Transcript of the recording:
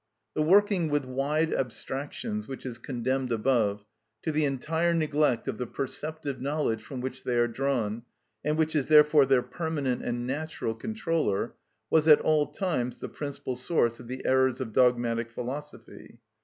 The working with wide abstractions, which is condemned above, to the entire neglect of the perceptive knowledge from which they are drawn, and which is therefore their permanent and natural controller, was at all times the principal source of the errors of dogmatic philosophy.